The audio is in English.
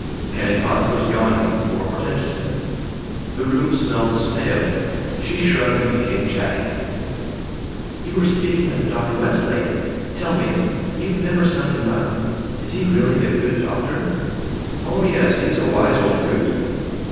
Kennicott was yawning, more portentously. The room smelled stale. She shrugged and became chatty: "You were speaking of Dr. Westlake. Tell me you've never summed him up: Is he really a good doctor?" "Oh yes, he's a wise old coot."